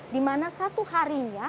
dimana satu harinya